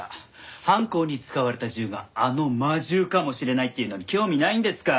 犯行に使われた銃があの魔銃かもしれないっていうのに興味ないんですか？